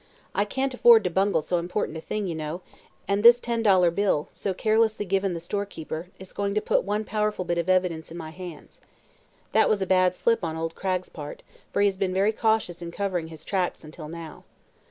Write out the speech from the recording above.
I can't afford to bungle so important a thing, you know, and this ten dollar bill, so carelessly given the storekeeper, is going to put one powerful bit of evidence in my hands. That was a bad slip on old Cragg's part, for he has been very cautious in covering his tracks, until now.